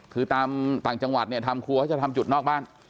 คือตามต่างจังหวัดเนี่ยทำครัวเขาจะทำจุดนอกบ้าน